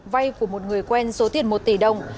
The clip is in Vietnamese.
vay của một người quen số tiền một tỷ đồng